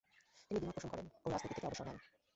তিনি দ্বি-মত পোষণ করেন ও রাজনীতি থেকে অবসর নেন।